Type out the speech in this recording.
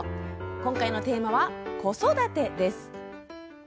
今回のテーマは、子育てです。